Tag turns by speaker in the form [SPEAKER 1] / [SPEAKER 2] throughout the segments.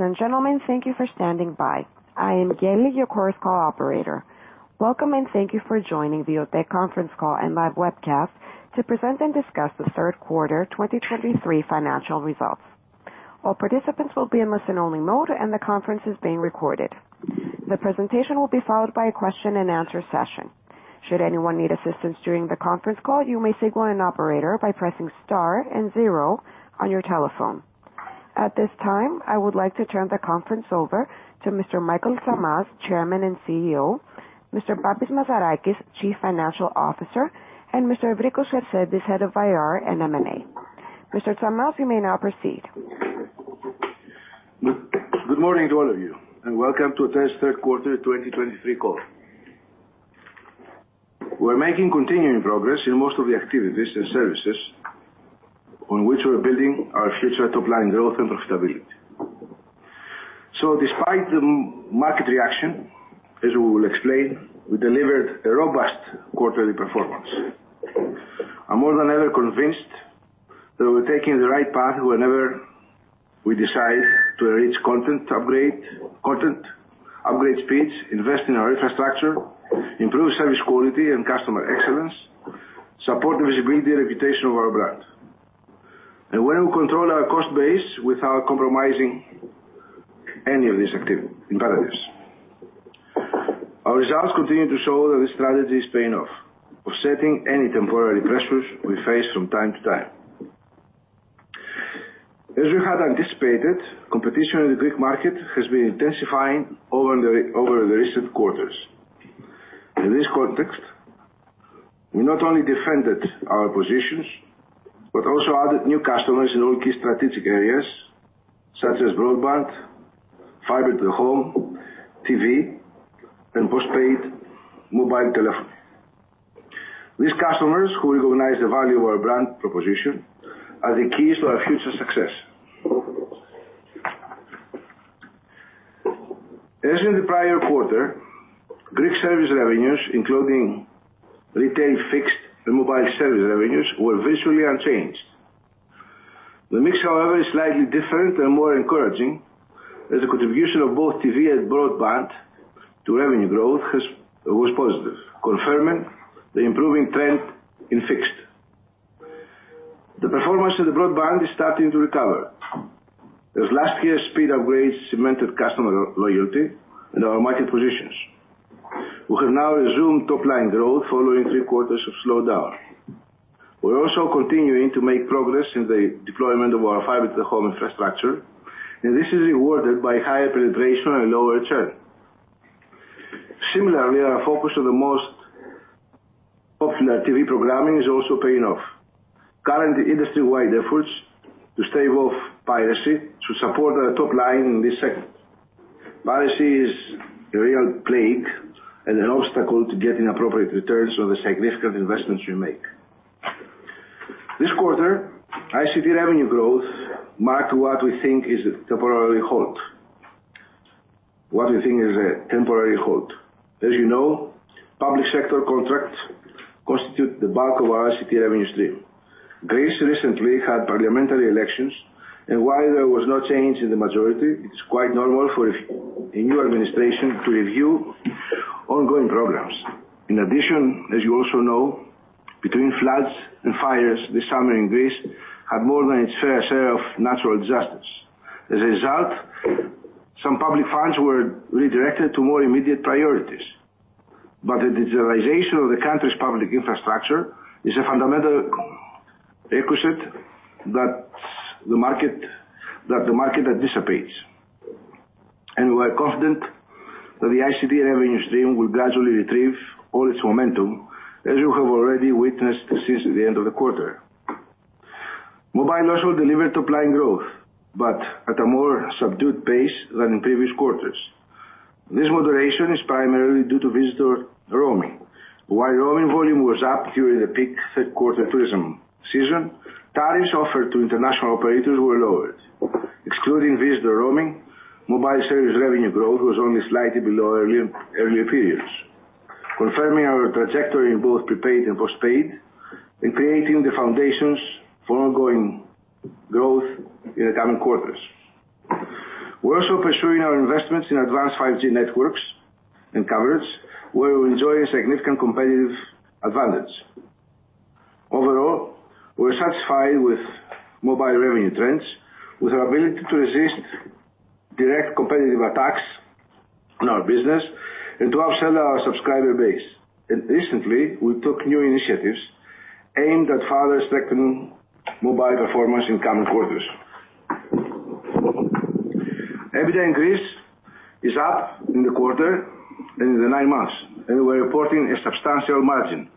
[SPEAKER 1] Ladies and gentlemen, thank you for standing by. I am Geilis, your Chorus Call operator. Welcome, and thank you for joining the OTE conference call and live webcast to present and discuss the third quarter 2023 financial results. All participants will be in listen-only mode, and the conference is being recorded. The presentation will be followed by a question and answer session. Should anyone need assistance during the conference call, you may signal an operator by pressing star and zero on your telephone. At this time, I would like to turn the conference over to Mr. Michael Tsamaz, Chairman and CEO, Mr. Babis Mazarakis, Chief Financial Officer, and Mr. Evrikos Sarsentis, Head of IR and M&A. Mr. Tsamaz, you may now proceed.
[SPEAKER 2] Good morning to all of you, and welcome to today's third quarter 2023 call. We're making continuing progress in most of the activities and services on which we're building our future top line growth and profitability. So despite the market reaction, as we will explain, we delivered a robust quarterly performance. I'm more than ever convinced that we're taking the right path whenever we decide to reach content, upgrade content, upgrade speeds, invest in our infrastructure, improve service quality and customer excellence, support the visibility and reputation of our brand, and when we control our cost base without compromising any of these activity imperatives. Our results continue to show that the strategy is paying off, offsetting any temporary pressures we face from time to time. As we had anticipated, competition in the Greek market has been intensifying over the recent quarters. In this context, we not only defended our positions, but also added new customers in all key strategic areas such as broadband, fiber to the home, TV, and postpaid, mobile telephony. These customers who recognize the value of our brand proposition are the keys to our future success. As in the prior quarter, Greek service revenues, including retail, fixed and mobile service revenues, were virtually unchanged. The mix, however, is slightly different and more encouraging, as the contribution of both TV and broadband to revenue growth has, was positive, confirming the improving trend in fixed. The performance of the broadband is starting to recover, as last year's speed upgrades cemented customer loyalty and our market positions. We have now resumed top-line growth following three quarters of slowdown. We're also continuing to make progress in the deployment of our fiber to the home infrastructure, and this is rewarded by higher penetration and lower churn. Similarly, our focus on the most popular TV programming is also paying off. Current industry-wide efforts to stave off piracy to support our top line in this segment. Piracy is a real plague and an obstacle to getting appropriate returns on the significant investments we make. This quarter, ICT revenue growth marked what we think is a temporarily halt. What we think is a temporary halt. As you know, public sector contracts constitute the bulk of our ICT revenue stream. Greece recently had parliamentary elections, and while there was no change in the majority, it's quite normal for a new administration to review ongoing programs. In addition, as you also know, between floods and fires, the summer in Greece had more than its fair share of natural disasters. As a result, some public funds were redirected to more immediate priorities. But the digitalization of the country's public infrastructure is a fundamental requisite that the market, that the market anticipates, and we are confident that the ICT revenue stream will gradually retrieve all its momentum, as you have already witnessed since the end of the quarter. Mobile also delivered top line growth, but at a more subdued pace than in previous quarters. This moderation is primarily due to visitor roaming. While roaming volume was up during the peak third quarter tourism season, tariffs offered to international operators were lowered. Excluding visitor roaming, mobile service revenue growth was only slightly below earlier periods, confirming our trajectory in both prepaid and postpaid and creating the foundations for ongoing growth in the coming quarters. We're also pursuing our investments in advanced 5G networks and coverage, where we enjoy a significant competitive advantage. Overall, we're satisfied with mobile revenue trends, with our ability to resist direct competitive attacks on our business and to upsell our subscriber base, and recently we took new initiatives aimed at further strengthening mobile performance in coming quarters. EBITDA increase is up in the quarter and in the nine months, and we're reporting a substantial margin.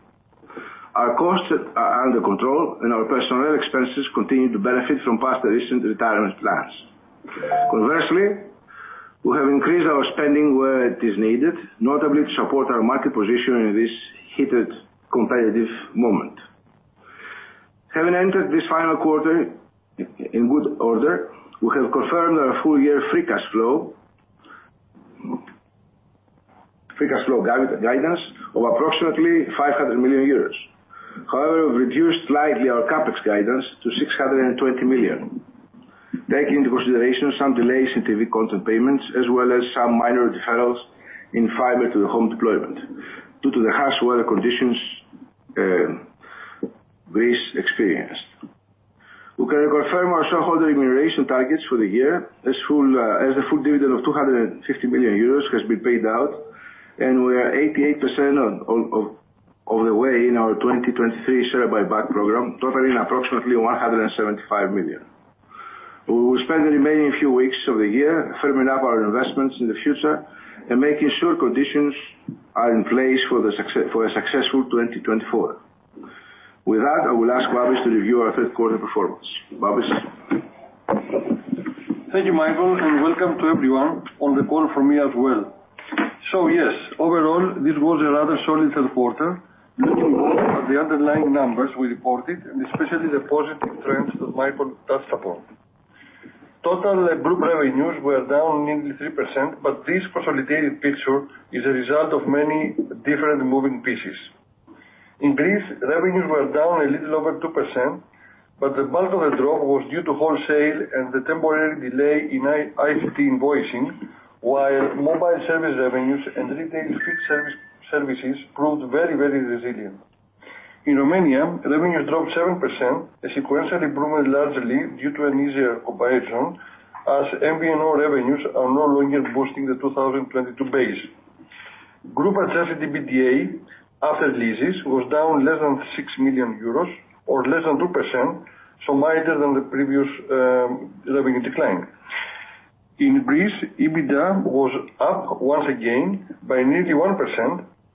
[SPEAKER 2] Our costs are under control, and our personnel expenses continue to benefit from past recent retirement plans. Conversely, we have increased our spending where it is needed, notably to support our market position in this heated competitive moment. Having entered this final quarter in good order, we have confirmed our full-year free cash flow guidance of approximately 500 million euros. However, we've reduced slightly our CapEx guidance to 620 million, taking into consideration some delays in TV content payments, as well as some minor deferrals in fiber to the home deployment due to the harsh weather conditions Greece experienced. We can confirm our shareholder remuneration targets for the year as full, as the full dividend of 250 million euros has been paid out, and we are 88% of the way in our 2023 share buyback program, totaling approximately 175 million. We will spend the remaining few weeks of the year firming up our investments in the future and making sure conditions are in place for the success for a successful 2024. With that, I will ask Babis to review our third quarter performance. Babis?
[SPEAKER 3] Thank you, Michael, and welcome to everyone on the call from me as well. So yes, overall, this was a rather solid third quarter, looking at the underlying numbers we reported, and especially the positive trends that Michael touched upon. Total group revenues were down nearly 3%, but this consolidated picture is a result of many different moving pieces. In Greece, revenues were down a little over 2%, but the bulk of the drop was due to wholesale and the temporary delay in ICT invoicing, while mobile service revenues and retail fixed services proved very, very resilient. In Romania, revenues dropped 7%, a sequential improvement largely due to an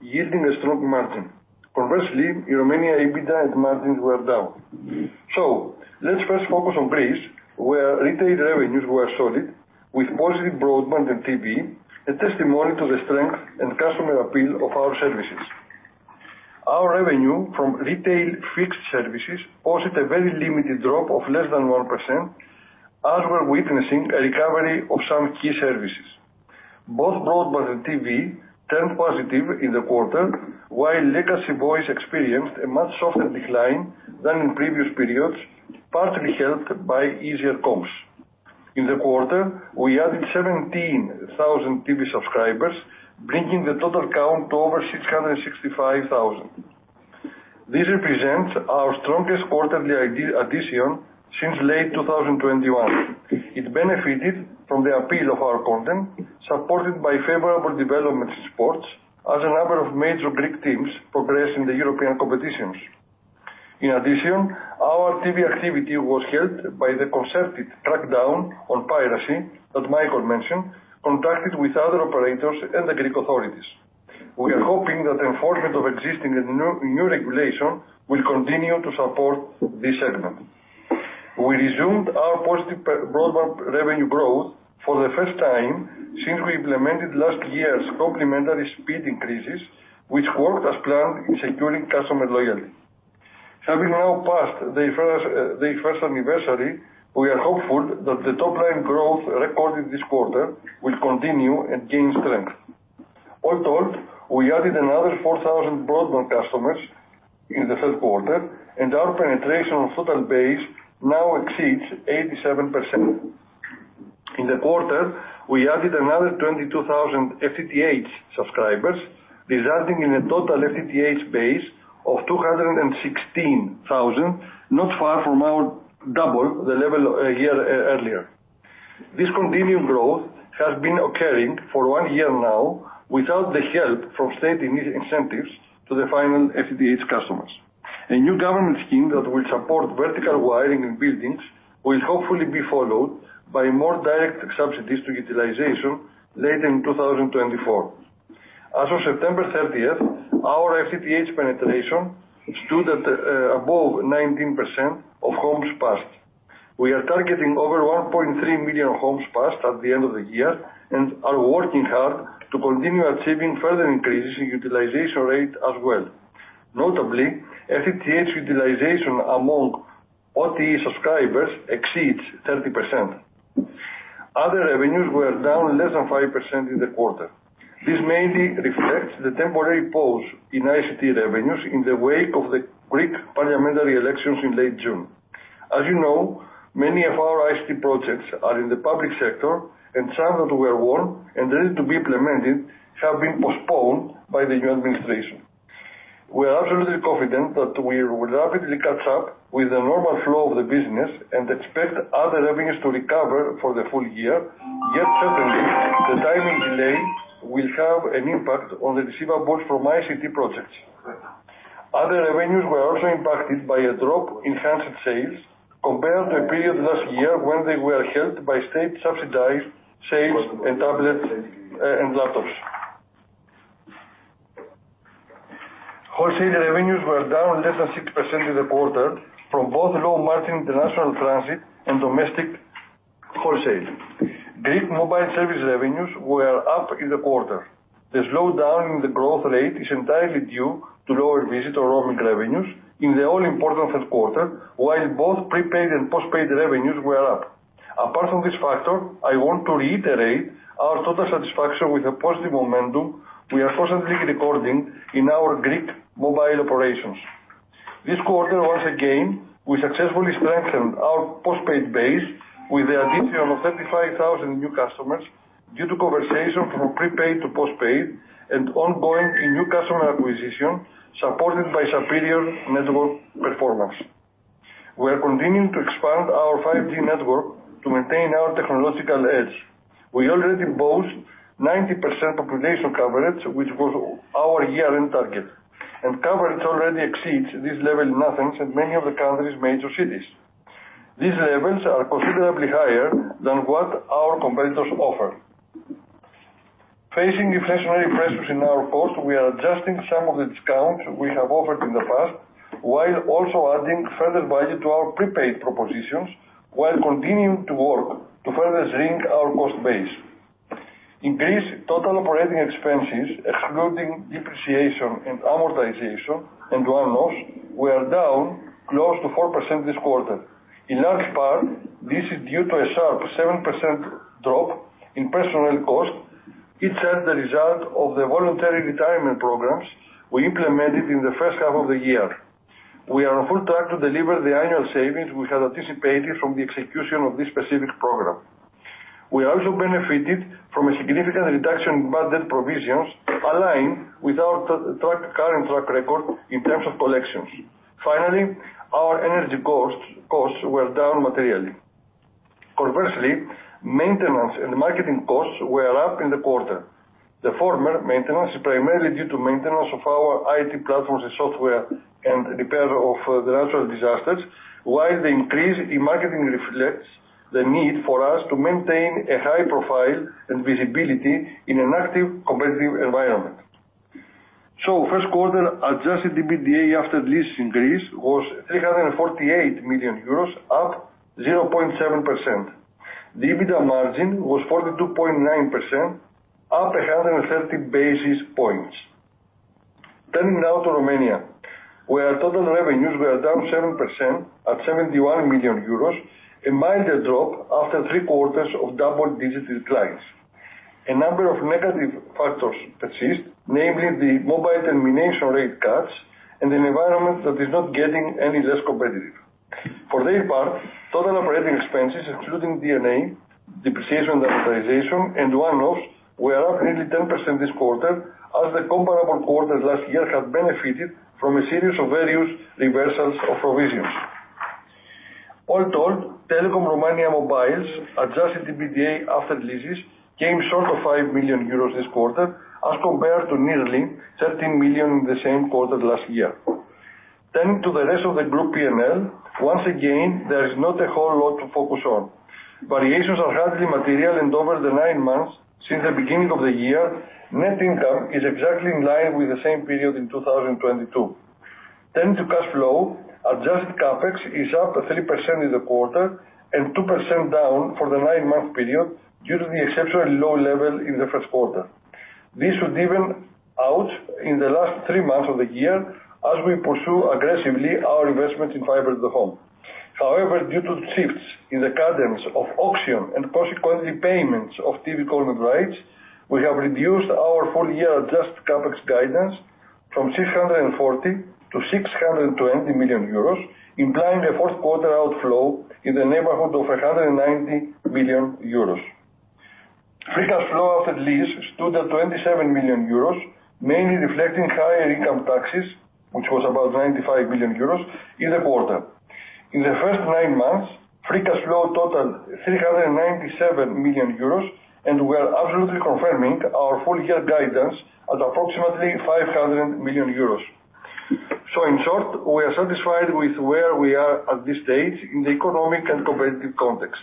[SPEAKER 3] easier comparison, as MVNO revenues are no longer boosting the 2022 base. Group adjusted EBITDA after leases was down less than EUR 6 million or less than 2%, so minor than the previous revenue decline. In Greece, EBITDA was up once again by nearly 1%, yielding a strong margin. Conversely, in Romania, EBITDA and margins were down. So let's first focus on Greece, where retail revenues were solid, with positive broadband and TV, a testimony to the strength and customer appeal of our services. Our revenue from retail fixed services posted a very limited drop of less than 1%, as we're witnessing a recovery of some key services. Both broadband and TV turned positive in the quarter, while legacy voice experienced a much softer decline than in previous periods, partly helped by easier comps. In the quarter, we added 17,000 TV subscribers, bringing the total count to over 665,000. This represents our strongest quarterly addition since late 2021. It benefited from the appeal of our content, supported by favorable developments in sports, as a number of major Greek teams progress in the European competitions. In addition, our TV activity was helped by the concerted crackdown on piracy that Michael mentioned, contracted with other operators and the Greek authorities. We are hoping that enforcement of existing and new regulation will continue to support this segment. We resumed our positive broadband revenue growth for the first time since we implemented last year's complimentary speed increases, which worked as planned in securing customer loyalty. Having now passed the first anniversary, we are hopeful that the top line growth recorded this quarter will continue and gain strength. All told, we added another 4,000 broadband customers in the third quarter, and our penetration on total base now exceeds 87%. In the quarter, we added another 22,000 FTTH subscribers, resulting in a total FTTH base of 216,000, not far from our double the level a year earlier. This continued growth has been occurring for one year now, without the help from state incentives to the final FTTH customers. A new government scheme that will support vertical wiring in buildings will hopefully be followed by more direct subsidies to utilization late in 2024. As of September 30, our FTTH penetration stood at above 19% of homes passed. We are targeting over 1.3 million homes passed at the end of the year and are working hard to continue achieving further increases in utilization rate as well. Notably, FTTH utilization among OTE subscribers exceeds 30%. Other revenues were down less than 5% in the quarter. This mainly reflects the temporary pause in ICT revenues in the wake of the Greek parliamentary elections in late June. As you know, many of our ICT projects are in the public sector, and some that were won and ready to be implemented have been postponed by the new administration. We are absolutely confident that we will rapidly catch up with the normal flow of the business and expect other revenues to recover for the full year. Yet certainly, the timing delay will have an impact on the receivables from ICT projects. Other revenues were also impacted by a drop in handset sales compared to the period last year when they were helped by state-subsidized sales and tablets, and laptops. Wholesale revenues were down less than 6% in the quarter from both low margin international transit and domestic wholesale. Greek mobile service revenues were up in the quarter. The slowdown in the growth rate is entirely due to lower visitor roaming revenues in the all-important first quarter, while both prepaid and postpaid revenues were up. Apart from this factor, I want to reiterate our total satisfaction with the positive momentum we are constantly recording in our Greek mobile operations. This quarter, once again, we successfully strengthened our postpaid base with the addition of 35,000 new customers due to conversion from prepaid to postpaid and ongoing new customer acquisition, supported by superior network performance. We are continuing to expand our 5G network to maintain our technological edge. We already boast 90% population coverage, which was our year-end target, and coverage already exceeds this level in Athens and many of the country's major cities. These levels are considerably higher than what our competitors offer. Facing inflationary pressures in our cost, we are adjusting some of the discounts we have offered in the past, while also adding further value to our prepaid propositions, while continuing to work to further shrink our cost base. Increased total operating expenses, excluding depreciation and amortization and one-offs, were down close to 4% this quarter. In large part, this is due to a sharp 7% drop in personnel costs. It's as the result of the voluntary retirement programs we implemented in the first half of the year. We are on full track to deliver the annual savings we had anticipated from the execution of this specific program. We also benefited from a significant reduction in bad debt provisions, aligned with our track, current track record in terms of collections. Finally, our energy costs were down materially. Conversely, maintenance and marketing costs were up in the quarter. The former, maintenance, is primarily due to maintenance of our IT platforms and software and repair of the natural disasters, while the increase in marketing reflects the need for us to maintain a high profile and visibility in an active competitive environment. First quarter adjusted EBITDA after lease increase was EUR 348 million, up 0.7%. The EBITDA margin was 42.9%, up 130 basis points. Turning now to Romania, where total revenues were down 7% at EUR 71 million, a minor drop after 3 quarters of double-digit declines. A number of negative factors persist, namely the mobile termination rate cuts and an environment that is not getting any less competitive. For their part, total operating expenses, including D&A, depreciation and amortization, and one-offs, were up nearly 10% this quarter, as the comparable quarter last year had benefited from a series of various reversals of provisions. All told, Telekom Romania Mobile adjusted EBITDA after the leases came short of EUR 5 million this quarter, as compared short, we are satisfied with where we are at this stage in the economic and competitive context.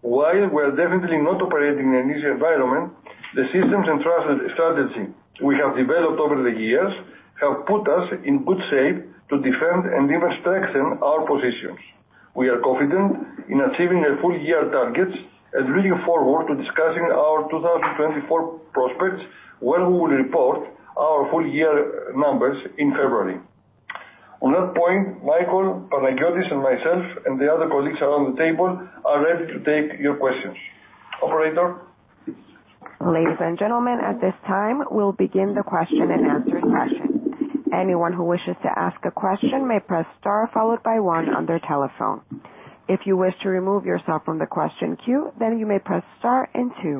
[SPEAKER 3] While we are definitely not operating in an easy environment, the systems and trust strategy we have developed over the years have put us in good shape to defend and even strengthen our positions. We are confident in achieving the full year targets and looking forward to discussing our 2024 prospects, where we will report our full year numbers in February. On that point, Michael, Panayiotis and myself, and the other colleagues around the table are ready to take your questions. Operator?
[SPEAKER 1] Ladies and gentlemen, at this time, we'll begin the question and answering session. Anyone who wishes to ask a question may press star followed by one on their telephone. If you wish to remove yourself from the question queue, then you may press star and two.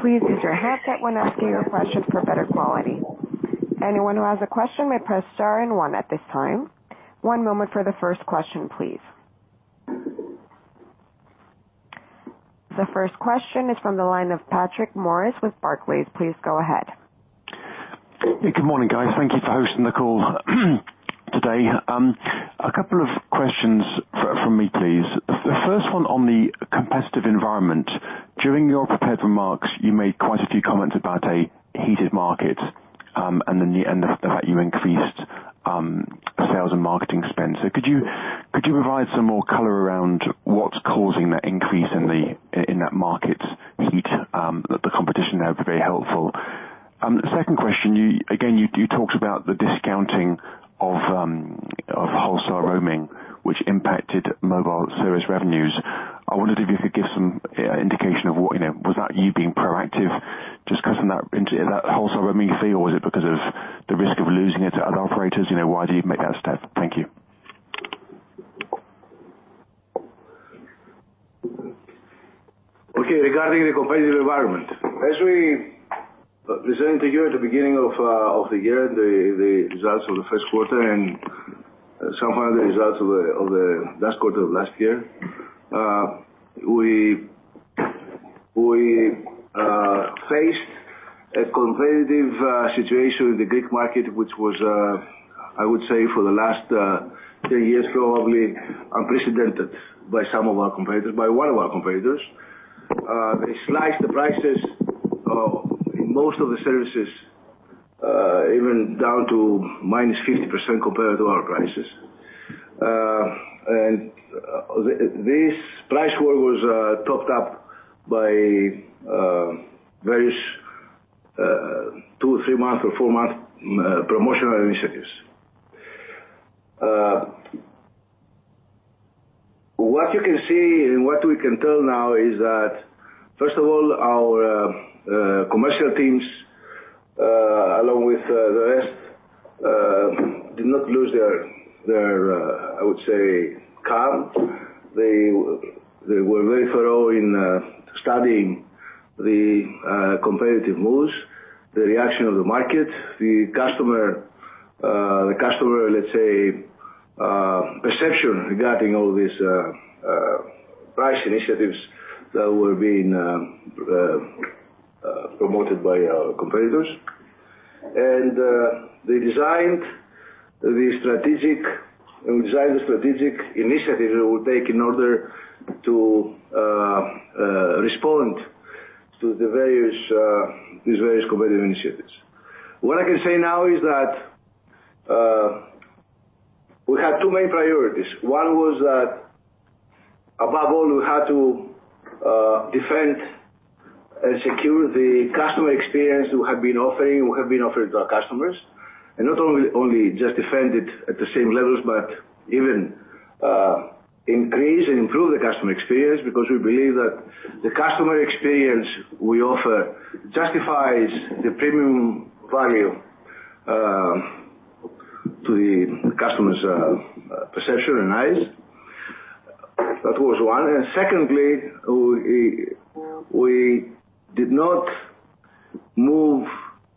[SPEAKER 1] Please use your headset when asking your questions for better quality. Anyone who has a question may press star and one at this time. One moment for the first question, please. The first question is from the line of Patrick Maurice with Barclays. Please go ahead.
[SPEAKER 4] Good morning, guys. Thank you for hosting the call today. A couple of questions from me, please. The first one on the competitive environment. During your prepared remarks, you made quite a few comments about a heated market, and the fact you increased sales and marketing spend. So could you provide some more color around what's causing that increase in that market heat, the competition? The second question, you again talked about the discounting of wholesale roaming, which impacted mobile service revenues. I wondered if you could give some indication of what, you know, was that you being proactive, just cutting that into that wholesale roaming fee, or was it because of the risk of losing it to other operators? You know, why do you make that step? Thank you.
[SPEAKER 2] Okay, regarding the competitive environment. As we presented to you at the beginning of the year, the results of the first quarter and some of the results of the last quarter of last year. We faced a competitive situation in the Greek market, which was, I would say for the last three years, probably unprecedented by some of our competitors, by one of our competitors. They sliced the prices in most of the services, even down to minus 50% compared to our prices. And this price war was topped up by various two, three months or four months promotional initiatives. What you can see and what we can tell now is that, first of all, our commercial teams, along with the rest, did not lose their calm, I would say. They were very thorough in studying the competitive moves, the reaction of the market, the customer, let's say, perception regarding all these price initiatives that were being promoted by our competitors. And they designed the strategic initiative that would take in order to respond to these various competitive initiatives. What I can say now is that we had two main priorities. One was that, above all, we had to defend and secure the customer experience we have been offering, we have been offering to our customers, and not only, only just defend it at the same levels, but even increase and improve the customer experience, because we believe that the customer experience we offer justifies the premium value to the customer's perception and eyes. That was one. And secondly, we did not move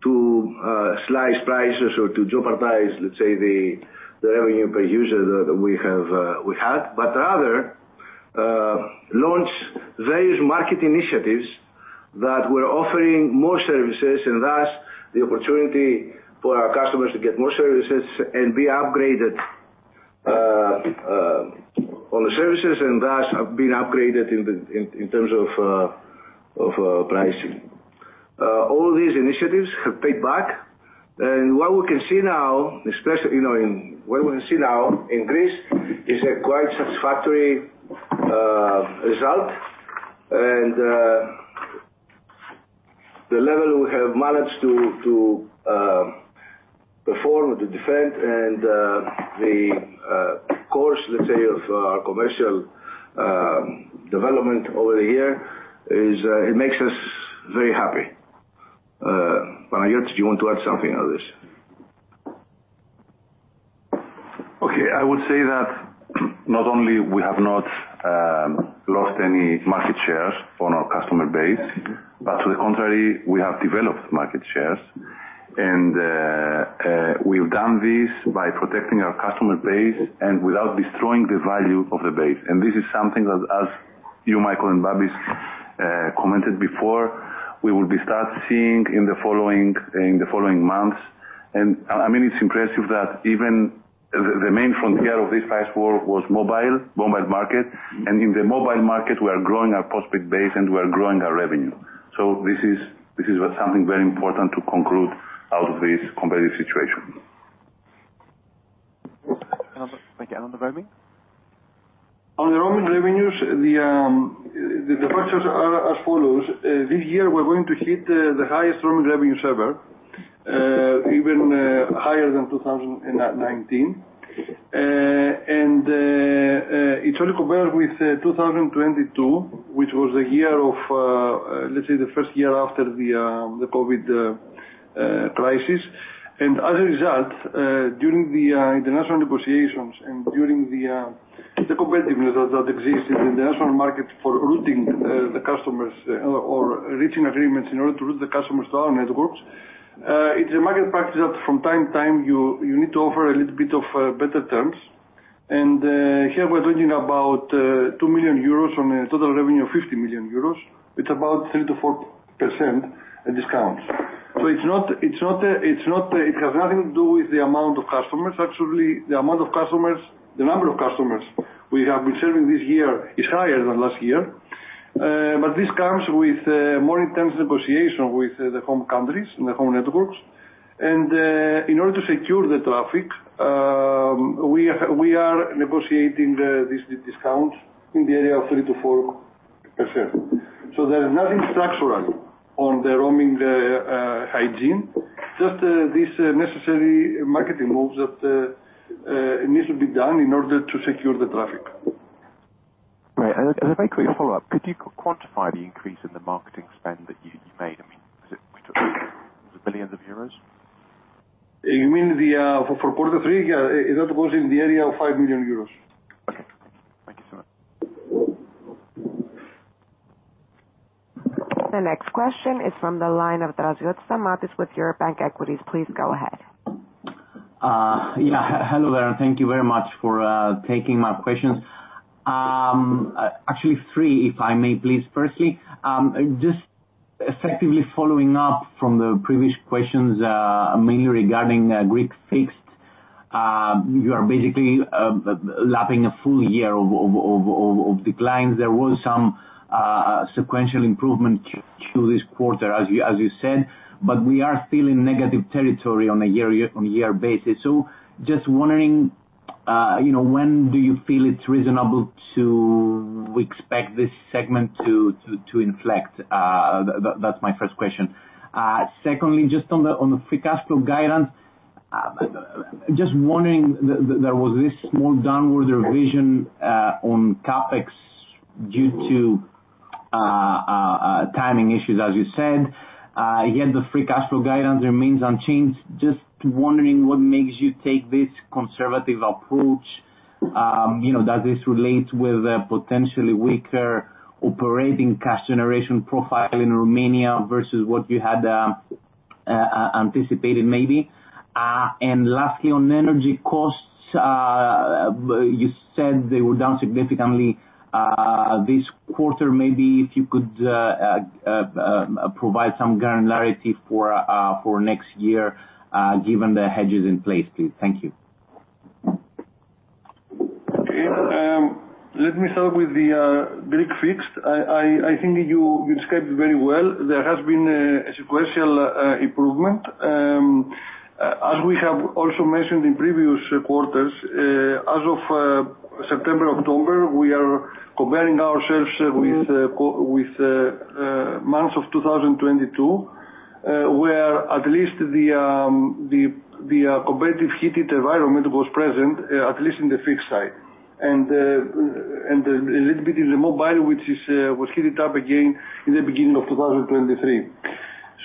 [SPEAKER 2] to slice prices or to jeopardize, let's say, the revenue per user that we have, we had, but rather launch various market initiatives that were offering more services, and thus, the opportunity for our customers to get more services and be upgraded on the services, and thus, have been upgraded in the terms of pricing. All these initiatives have paid back, and what we can see now, especially, you know, in what we can see now in Greece, is a quite satisfactory result. The level we have managed to perform or to defend, and the course, let's say, of our commercial development over the year is, it makes us very happy. Panayiotis, do you want to add something on this?
[SPEAKER 5] Okay, I would say that not only we have not lost any market shares on our customer base, but to the contrary, we have developed market shares. We've done this by protecting our customer base and without destroying the value of the base. This is something that, as you, Michael, and Babis commented before, we will be start seeing in the following months. I mean, it's impressive that even the main frontier of this price war was mobile market, and in the mobile market, we are growing our prospect base, and we are growing our revenue. So this is something very important to conclude out of this competitive situation.
[SPEAKER 4] Again, on the roaming?
[SPEAKER 3] On the roaming revenues, the departures are as follows: This year, we're going to hit the highest roaming revenues ever, even higher than 2019. And it only compares with 2022, which was the year of, let's say, the first year after the COVID crisis. As a result, during the international negotiations and during the competitiveness that exists in the international market for routing the customers or reaching agreements in order to route the customers to our networks, it's a market practice that from time to time, you need to offer a little bit of better terms. Here we're talking about 2 million euros on a total revenue of 50 million euros. It's about 3%-4% discount. So it's not, it's not, it's not, it has nothing to do with the amount of customers. Actually, the amount of customers, the number of customers we have been serving this year is higher than last year. But this comes with more intense negotiation with the home countries and the home networks. And in order to secure the traffic,... We are negotiating this discount in the area of 3%-4%. So there is nothing structural on the roaming hygiene, just this necessary marketing moves that needs to be done in order to secure the traffic.
[SPEAKER 4] Right. And a very quick follow-up: Could you quantify the increase in the marketing spend that you made? I mean, is it billions of euros?
[SPEAKER 3] You mean the, for quarter three? Yeah, that was in the area of 5 million euros.
[SPEAKER 6] Okay. Thank you so much.
[SPEAKER 1] The next question is from the line of Stamatios Draziotis with Eurobank Equities. Please go ahead.
[SPEAKER 7] Yeah, hello there, and thank you very much for taking my questions. Actually three, if I may please. Firstly, just effectively following up from the previous questions, mainly regarding Greek fixed, you are basically lapping a full year of declines. There was some sequential improvement to this quarter, as you said, but we are still in negative territory on a year-on-year basis. So just wondering, you know, when do you feel it's reasonable to expect this segment to inflect? That, that's my first question. Secondly, just on the free cash flow guidance, just wondering, there was this small downward revision on CapEx due to timing issues, as you said. Yet the free cash flow guidance remains unchanged. Just wondering what makes you take this conservative approach? You know, does this relate with a potentially weaker operating cash generation profile in Romania versus what you had anticipated, maybe? And lastly, on energy costs, you said they were down significantly this quarter. Maybe if you could provide some granularity for next year, given the hedges in place, please. Thank you.
[SPEAKER 3] Okay, let me start with the Greek fixed. I think you described it very well. There has been a sequential improvement. As we have also mentioned in previous quarters, as of September, October, we are comparing ourselves with months of 2022, where at least the competitive heated environment was present, at least in the fixed side, and a little bit in the mobile, which was heated up again in the beginning of 2023.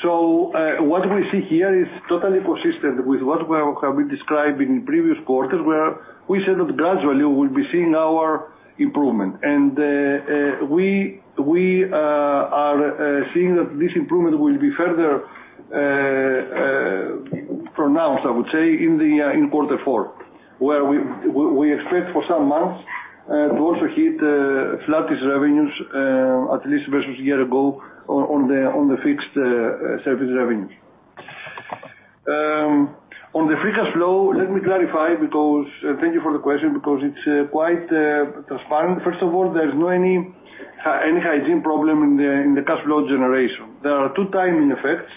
[SPEAKER 3] So, what we see here is totally consistent with what we have been describing in previous quarters, where we said that gradually we'll be seeing our improvement. We are seeing that this improvement will be further pronounced, I would say, in quarter four, where we expect for some months to also hit flattest revenues, at least versus a year ago, on the fixed service revenues. On the free cash flow, let me clarify, because thank you for the question, because it's quite transparent. First of all, there's no any hygiene problem in the cash flow generation. There are two timing effects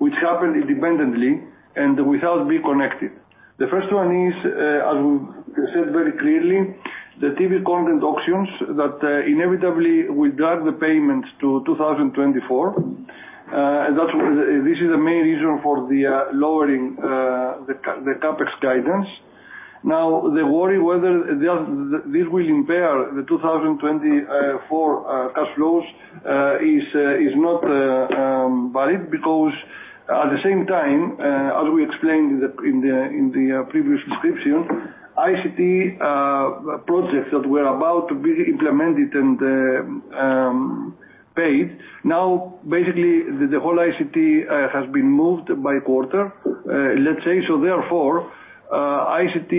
[SPEAKER 3] which happen independently and without being connected. The first one is, as we said very clearly, the TV content auctions that inevitably will drive the payments to 2024. And that's where this is the main reason for lowering the CapEx guidance. Now, the worry whether this will impair the 2024 cash flows is not valid, because at the same time, as we explained in the previous description, ICT projects that were about to be implemented and paid, now, basically the whole ICT has been moved by quarter, let's say. So therefore, ICT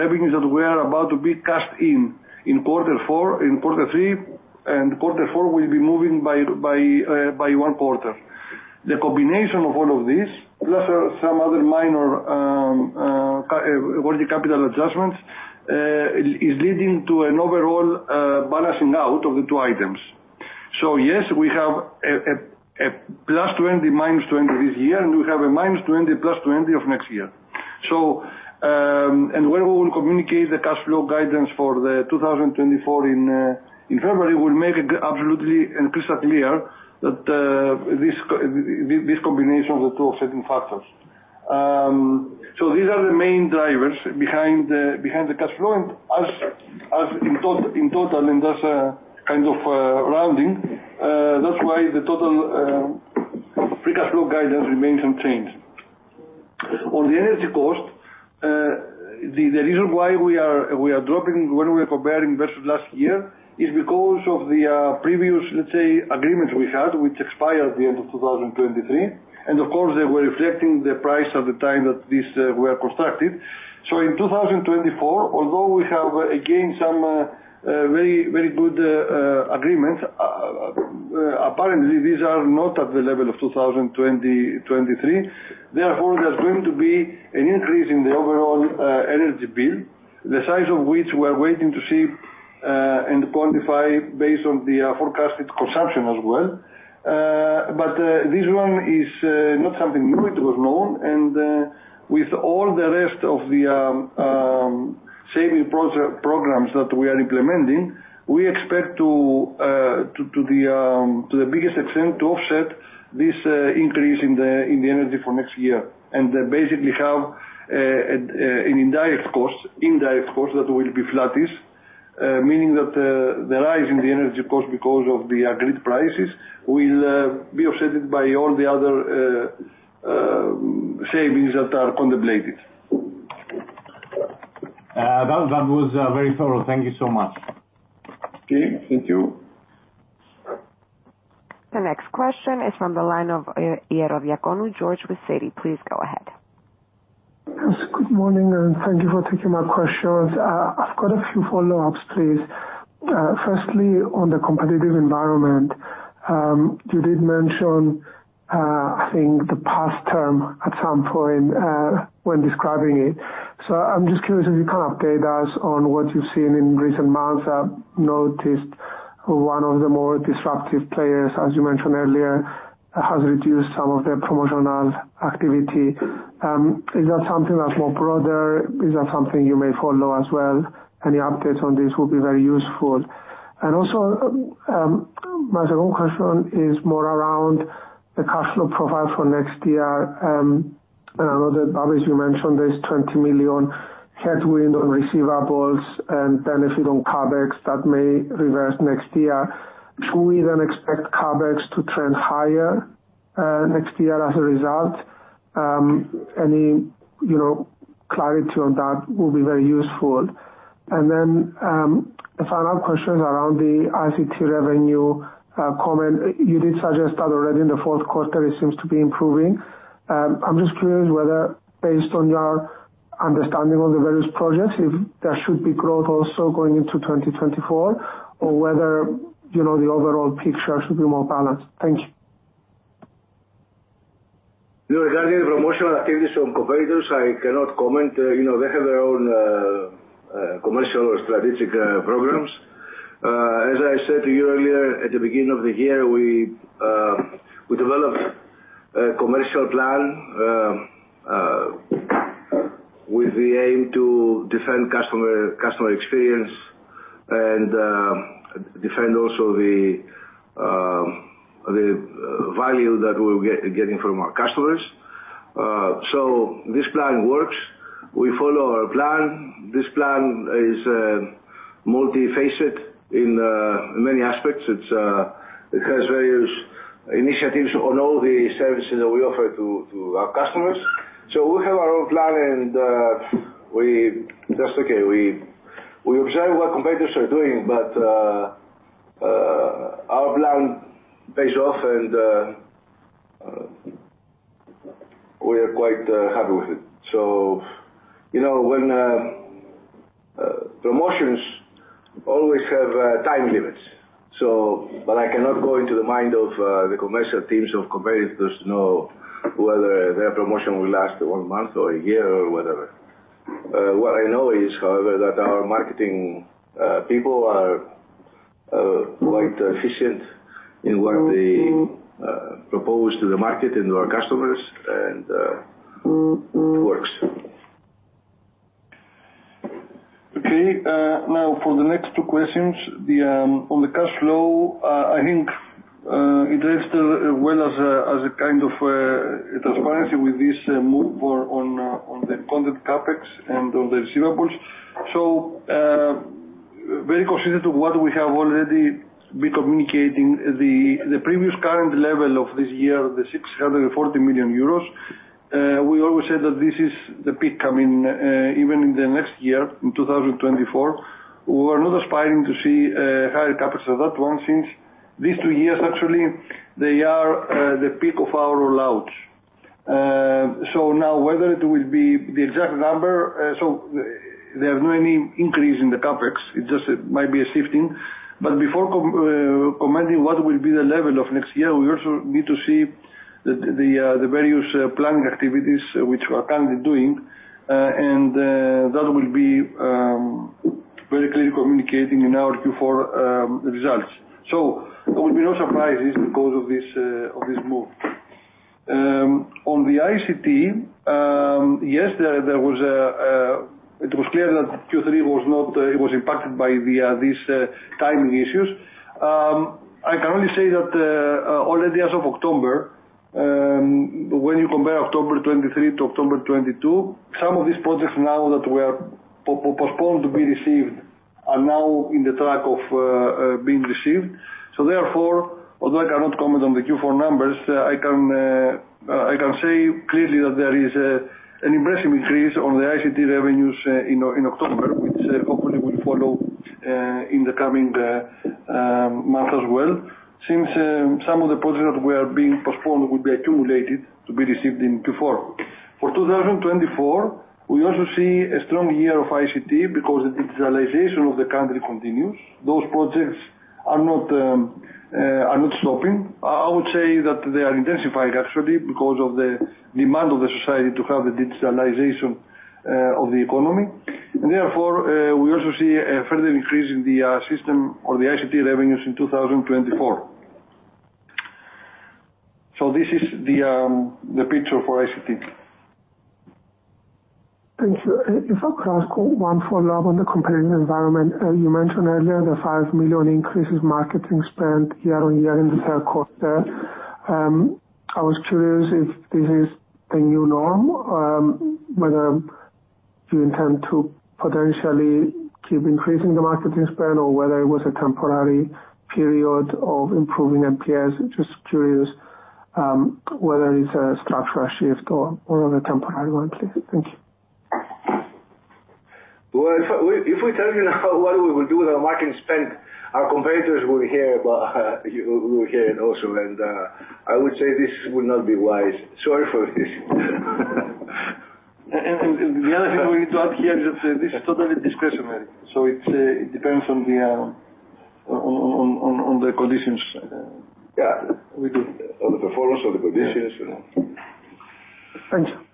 [SPEAKER 3] revenues that were about to be cashed in, in quarter four, in quarter three and quarter four, will be moving by one quarter. The combination of all of this, plus some other minor working capital adjustments, is leading to an overall balancing out of the two items. So yes, we have a +20 million, -20 million this year, and we have a -20 million, +20 million of next year. So, and when we will communicate the cash flow guidance for 2024 in February, we'll make it absolutely and crystal clear that this combination of the two offsetting factors. So these are the main drivers behind the cash flow. And in total, that's a kind of rounding, that's why the total Free Cash Flow guidance remains unchanged. On the energy cost, the reason why we are dropping when we are comparing versus last year is because of the previous, let's say, agreements we had, which expired at the end of 2023. And of course, they were reflecting the price at the time that these were constructed. So in 2024, although we have, again, some very, very good agreements, apparently these are not at the level of 2020, 2023. Therefore, there's going to be an increase in the overall energy bill, the size of which we're waiting to see-... and quantify based on the forecasted consumption as well. But this one is not something new, it was known, and with all the rest of the saving programs that we are implementing, we expect to the biggest extent to offset this increase in the energy for next year. And then basically have an indirect cost that will be flattish. Meaning that the rise in the energy cost because of the agreed prices will be offset by all the other savings that are contemplated.
[SPEAKER 7] That was very thorough. Thank you so much.
[SPEAKER 3] Okay, thank you.
[SPEAKER 1] The next question is from the line of Georgios Ierodiaconou with Citi. Please go ahead.
[SPEAKER 8] Yes, good morning, and thank you for taking my questions. I've got a few follow-ups, please. Firstly, on the competitive environment, you did mention, I think the past term at some point, when describing it. So I'm just curious if you can update us on what you've seen in recent months. I've noticed one of the more disruptive players, as you mentioned earlier, has reduced some of their promotional activity. Is that something that's more broader? Is that something you may follow as well? Any updates on this will be very useful. And also, my second question is more around the cash flow profile for next year. I know that, Babis, you mentioned there is 20 million headwind on receivables and benefit on CapEx that may reverse next year. Should we then expect CapEx to trend higher, next year as a result? Any, you know, clarity on that will be very useful. And then, a follow-up question around the ICT revenue, comment. You did suggest that already in the fourth quarter it seems to be improving. I'm just curious whether, based on your understanding of the various projects, if there should be growth also going into 2024, or whether, you know, the overall picture should be more balanced? Thank you.
[SPEAKER 2] Regarding the promotional activities from competitors, I cannot comment. You know, they have their own commercial or strategic programs. As I said to you earlier, at the beginning of the year, we developed a commercial plan with the aim to defend customer experience and defend also the value that we'll get from our customers. So this plan works. We follow our plan. This plan is multifaceted in many aspects. It's it has various initiatives on all the services that we offer to our customers. So we have our own plan, and we just, okay, we observe what competitors are doing, but our plan pays off and we are quite happy with it. So, you know, when promotions always have time limits, so but I cannot go into the mind of the commercial teams of competitors to know whether their promotion will last one month or a year, or whatever. What I know is, however, that our marketing people are quite efficient in what they propose to the market and to our customers, and it works.
[SPEAKER 3] Okay, now for the next two questions, on the cash flow, I think it does still well as a kind of transparency with this move on the content CapEx and on the receivables. So, very considered to what we have already been communicating, the previous current level of this year, the 640 million euros, we always said that this is the peak. I mean, even in the next year, in 2024, we are not aspiring to see higher CapEx of that one, since these two years, actually, they are the peak of our rollout. So now whether it will be the exact number, so there are not any increase in the CapEx, it just might be a shifting. But before commenting what will be the level of next year, we also need to see the various planning activities which we are currently doing, and that will be very clearly communicating in our Q4 results. So there will be no surprises because of this move. On the ICT, yes, there was a, it was clear that Q3 was not, it was impacted by these timing issues. I can only say that, already as of October, when you compare October 2023 to October 2022, some of these projects now that were postponed to be received, are now in the track of being received. So therefore, although I cannot comment on the Q4 numbers, I can say clearly that there is an impressive increase on the ICT revenues in October, which hopefully will follow in the coming month as well. Since some of the projects that were being postponed will be accumulated to be received in Q4. For 2024, we also see a strong year of ICT because the digitalization of the country continues. Those projects are not stopping. I would say that they are intensifying actually, because of the demand of the society to have the digitalization of the economy. And therefore, we also see a further increase in the system or the ICT revenues in 2024. So this is the picture for ICT.
[SPEAKER 8] Thank you. If I could ask one follow-up on the competitive environment. You mentioned earlier the 5 million increases marketing spend year-on-year in the third quarter. I was curious if this is the new norm, whether you intend to potentially keep increasing the marketing spend or whether it was a temporary period of improving MPS? Just curious, whether it's a structural shift or a temporary one, please. Thank you.
[SPEAKER 2] Well, if we tell you now what we will do with our marketing spend, our competitors will hear about, you will hear it also, and I would say this would not be wise. Sorry for this. And the other thing we need to add here is that this is totally discretionary, so it depends on the conditions.
[SPEAKER 3] Yeah.
[SPEAKER 2] We do.
[SPEAKER 3] On the performance, on the conditions.
[SPEAKER 8] Thank you.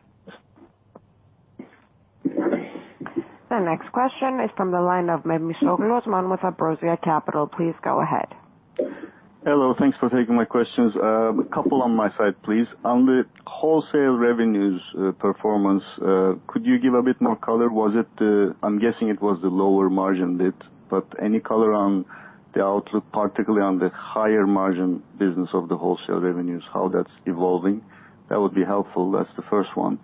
[SPEAKER 1] The next question is from the line of Michail Gounaris with Ambrosia Capital. Please go ahead.
[SPEAKER 6] Hello. Thanks for taking my questions. A couple on my side, please. On the wholesale revenues, performance, could you give a bit more color? Was it the... I'm guessing it was the lower margin bit, but any color on the outlook, particularly on the higher margin business of the wholesale revenues, how that's evolving? That would be helpful. That's the first one.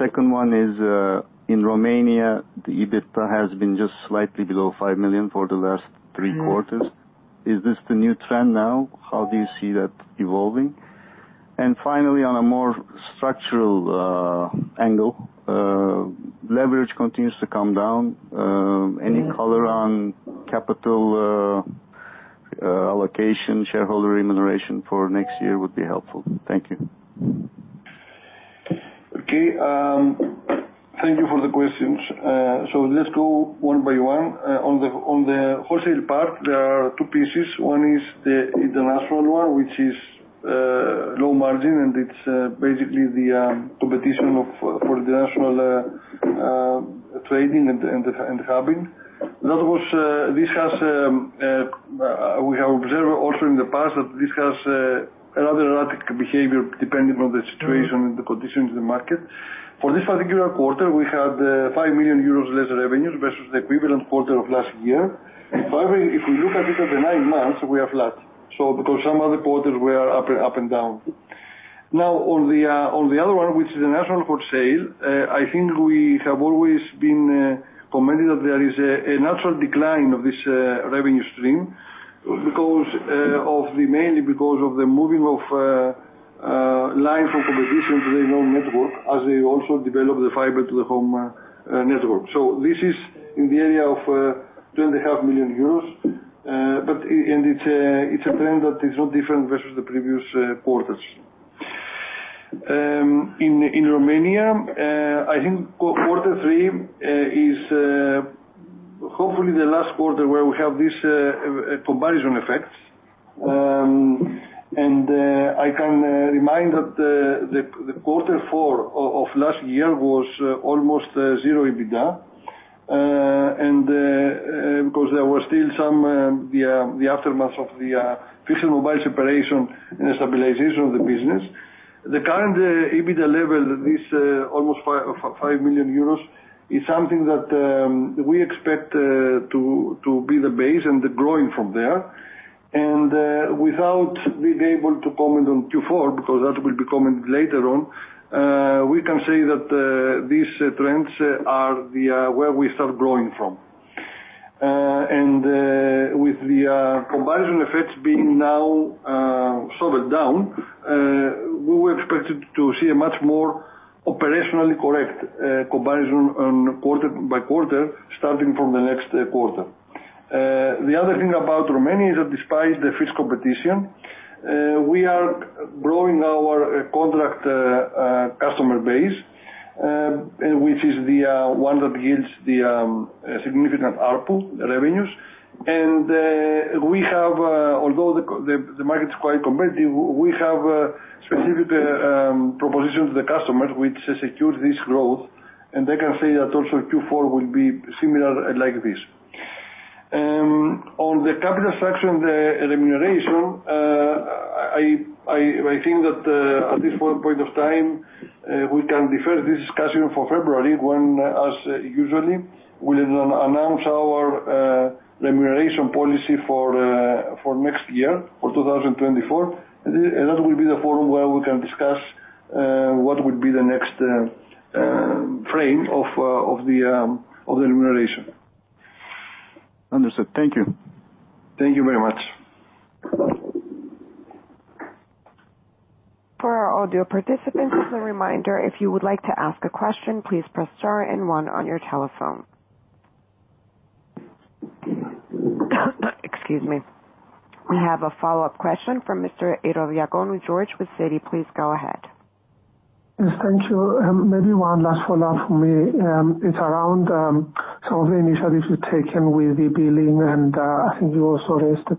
[SPEAKER 6] Second one is, in Romania, the EBITDA has been just slightly below 5 million for the last three quarters. Is this the new trend now? How do you see that evolving? Finally, on a more structural angle, leverage continues to come down, any color on capital allocation, shareholder remuneration for next year would be helpful. Thank you.
[SPEAKER 3] Okay, thank you for the questions. So let's go one by one. On the, on the wholesale part, there are two pieces. One is the international one, which is low margin, and it's basically the competition of for the national trading and, and, and having. That was, this has we have observed also in the past that this has another erratic behavior, depending on the situation and the conditions in the market. For this particular quarter, we had 5 million euros less revenues versus the equivalent quarter of last year. If I, if we look at it as the nine months, we are flat. So because some of the quarters were up, up and down. Now, on the other one, which is the national wholesale, I think we have always been commented that there is a natural decline of this revenue stream because of the mainly because of the moving of line from competition to the known network as they also develop the fiber to the home network. So this is in the area of 2.5 million euros, but and it's a trend that is no different versus the previous quarters. In Romania, I think quarter three is hopefully the last quarter where we have this comparison effects. And I can remind that the quarter four of last year was almost zero EBITDA, and because there was still some aftermath of the fixed mobile separation and stabilization of the business. The current EBITDA level, this almost 5 million euros, is something that we expect to be the base and growing from there. And without being able to comment on Q4, because that will be commented later on, we can say that these trends are where we start growing from. And with the comparison effects being now sorted down, we were expected to see a much more operationally correct comparison on quarter by quarter, starting from the next quarter. The other thing about Romania is that despite the fixed competition, we are growing our contract customer base, which is the one that yields the significant ARPU revenues. And we have, although the market is quite competitive, we have specific propositions to the customer, which secure this growth, and I can say that also Q4 will be similar like this. On the capital structure and the remuneration, I think that at this point of time, we can defer this discussion for February, when, as usually, we'll announce our remuneration policy for next year, for 2024. And that will be the forum where we can discuss what would be the next frame of the remuneration.
[SPEAKER 6] Understood. Thank you.
[SPEAKER 3] Thank you very much.
[SPEAKER 1] For our audio participants, as a reminder, if you would like to ask a question, please press star and one on your telephone. Excuse me. We have a follow-up question from Mr. Georgios Ierodiaconou with Citi. Please go ahead....
[SPEAKER 8] Yes, thank you. Maybe one last follow-up for me. It's around some of the initiatives you've taken with the billing, and I think you also raised the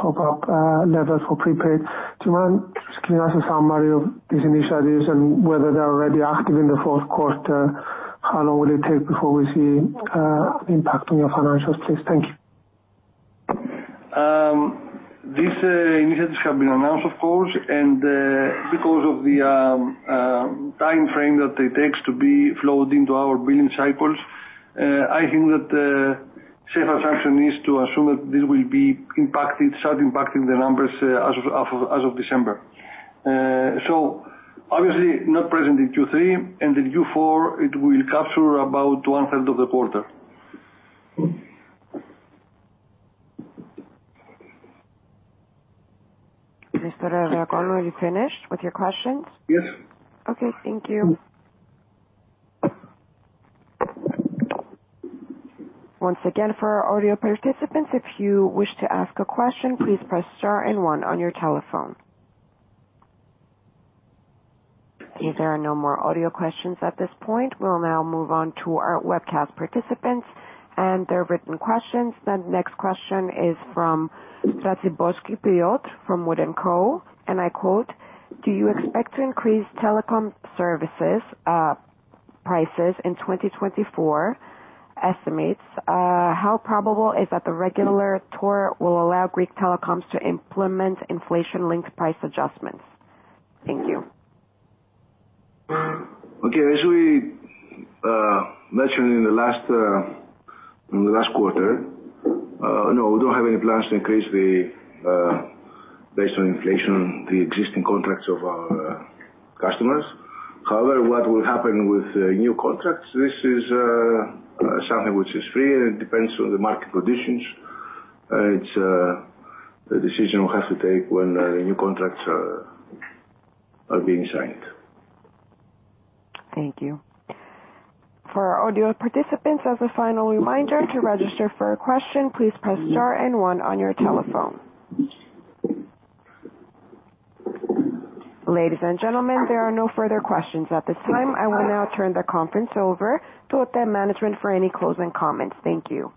[SPEAKER 8] top up levels for prepaid. So just can you give us a summary of these initiatives and whether they're already active in the fourth quarter? How long will it take before we see the impact on your financials, please? Thank you.
[SPEAKER 3] These initiatives have been announced, of course, and because of the timeframe that it takes to be flowed into our billing cycles, I think that the safe assumption is to assume that this will be impacted, start impacting the numbers, as of December. So obviously not present in Q3, and in Q4 it will capture about one third of the quarter.
[SPEAKER 1] Mr. Ierodiaconou already finished with your questions?
[SPEAKER 8] Yes.
[SPEAKER 1] Okay, thank you. Once again, for our audio participants, if you wish to ask a question, please press star and one on your telephone. If there are no more audio questions at this point, we'll now move on to our webcast participants and their written questions. The next question is from Jakub Petrovsky from Wood & Company, and I quote, "Do you expect to increase telecom services prices in 2024 estimates? How probable is that the regulator will allow Greek telecoms to implement inflation-linked price adjustments?" Thank you.
[SPEAKER 2] Okay. As we mentioned in the last, in the last quarter, no, we don't have any plans to increase the, based on inflation, the existing contracts of our customers. However, what will happen with the new contracts? This is something which is free, and it depends on the market conditions, and it's a decision we'll have to take when the new contracts are being signed.
[SPEAKER 1] Thank you. For our audio participants, as a final reminder to register for a question, please press star and one on your telephone. Ladies and gentlemen, there are no further questions at this time. I will now turn the conference over to OTE management for any closing comments. Thank you.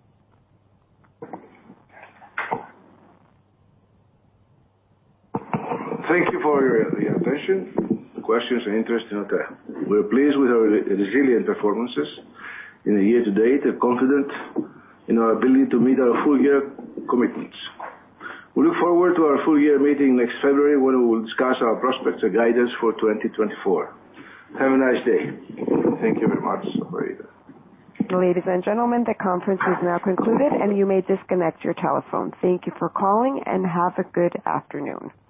[SPEAKER 2] Thank you for your attention, the questions and interest in OTE. We're pleased with our resilient performances in the year to date and confident in our ability to meet our full year commitments. We look forward to our full year meeting next February, when we will discuss our prospects and guidance for 2024. Have a nice day. Thank you very much for your.
[SPEAKER 1] Ladies and gentlemen, the conference is now concluded and you may disconnect your telephone. Thank you for calling and have a good afternoon.